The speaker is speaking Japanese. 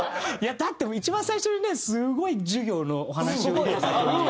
だって一番最初にねすごい授業のお話を受けたあとに。